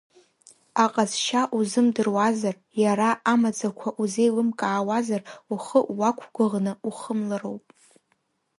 Аҟазшьа узымдыруазар, иара амаӡақәа узеилымкаауазар ухы уақәгәыӷны ухымлароуп.